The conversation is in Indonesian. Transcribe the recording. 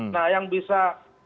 nah yang bisa